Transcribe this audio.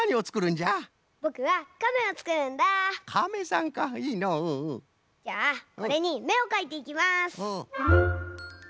じゃあこれにめをかいていきます。